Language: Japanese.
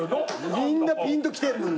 みんなピンときてるのに。